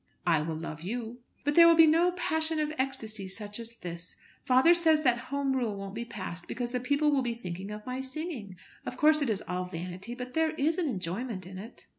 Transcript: "I will love you." "But there will be no passion of ecstasy such as this. Father says that Home Rule won't be passed because the people will be thinking of my singing. Of course it is all vanity, but there is an enjoyment in it."